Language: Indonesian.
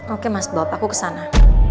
oke mas bob aku kesana